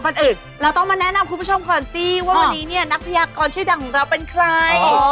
อื่นเราต้องมาแนะนำคุณผู้ชมก่อนสิว่าวันนี้เนี่ยนักพยากรชื่อดังของเราเป็นใคร